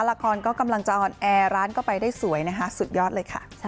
ละครก็กำลังจะออนแอร์ร้านก็ไปได้สวยนะคะสุดยอดเลยค่ะ